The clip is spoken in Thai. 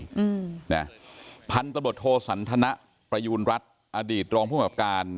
ได้ข้อมูลพันธุ์ตำรวจโทษสันทนะประยูณรัฐอดีตรองผู้แบบการ